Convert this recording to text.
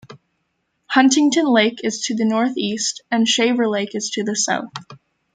Huntington Lake is to the northeast and Shaver Lake is to the south.